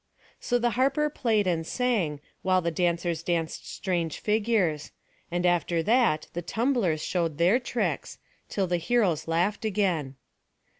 So the harper played and sang, while the dancers danced strange figures; and after that the tumblers showed their tricks, till the heroes laughed again.